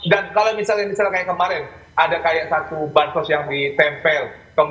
dan kalau misalnya kemarin ada kayak satu bantus yang ditempel